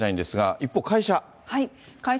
一方、会社。